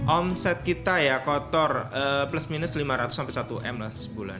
omset kita ya kotor plus minus lima ratus sampai satu m lah sebulan